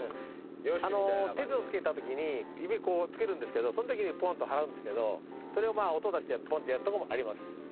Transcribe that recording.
手酢をつけた時に指をこうつけるんですけどその時にポンと払うんですけどそれを音出してポンとやるところもあります。